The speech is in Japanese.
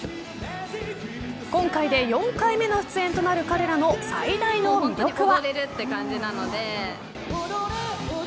今回で４回目の出演となる彼らの最大の魅力は。